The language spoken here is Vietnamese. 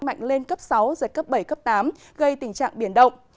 mạnh lên cấp sáu giật cấp bảy cấp tám gây tình trạng biển động